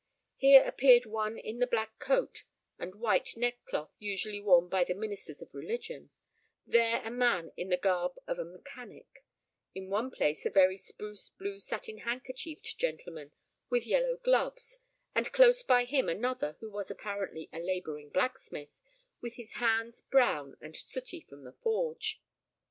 Here appeared one in the black coat and white neck cloth usually worn by the ministers of religion; there a man in the garb of a mechanic: in one place a very spruce blue satin handkerchiefed gentleman, with yellow gloves, and close by him another who was apparently a labouring blacksmith, with his hands brown and sooty from the forge.